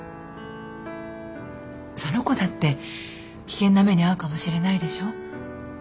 その子だって危険な目に遭うかもしれないでしょ。